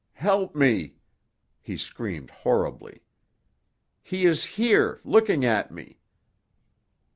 Help me!" He screamed horribly. "He is here, looking at me!"